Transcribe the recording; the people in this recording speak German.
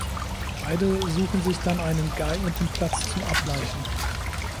Beide suchen sich dann einen geeigneten Platz zum Ablaichen.